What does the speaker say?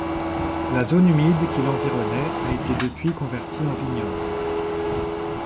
La zone humide qui l'environnait a été depuis convertie en vignobles.